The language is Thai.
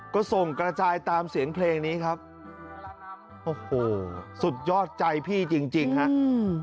ก็ส่งกระจายตามเสียงเพลงนี้ครับโอ้โหสุดยอดใจพี่จริงจริงฮะอืม